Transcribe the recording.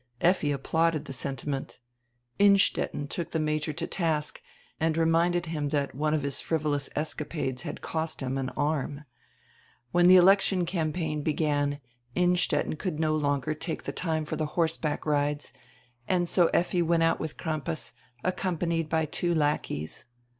Effi applauded die sentiment, Innstetten took die Major to task and reminded him tiiat one of his frivolous escapades had cost him an arm. When die election campaign began Innstetten could no longer take die time for die horseback rides, and so Effi went out widi Crampas, accompanied by two lackeys.